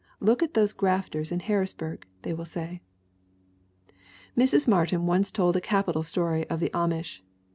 'Look at those grafters in Harris burg!' they will say." Mrs. Martin once told a capital story of the Amish.